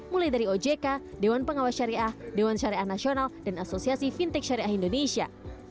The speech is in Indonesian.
mulai dari ojk dewan pengawas syariah dewan syariah nasional dan asosiasi fintech syariah indonesia